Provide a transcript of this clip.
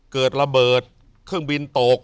เกิดระเบิดเครื่องบินตก